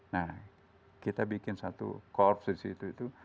nah kita bikin satu korps di situ itu